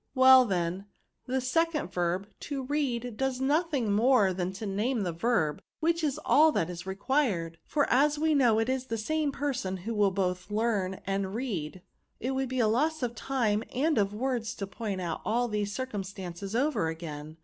*' Well, then, the second verb to read does nothing more than name the verb, which is all that is required ; for as we know that it is the same person who will both learn and read^ it would be a loss of time and of words to point out all these circumstances over again.